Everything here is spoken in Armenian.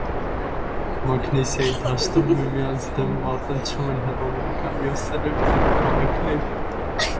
Մագնեսիայի դաշտում միմյանց դեմ մարտնչում էին հռոմեական և սելևկյան բանակները։